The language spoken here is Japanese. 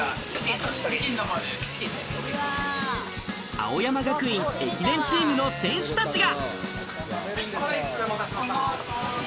青山学院駅伝チームの選手たちが。